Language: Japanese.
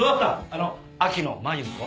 あの秋野繭子。